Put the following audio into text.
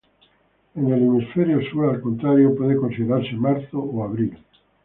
En el hemisferio sur, al contrario, puede considerarse marzo o abril.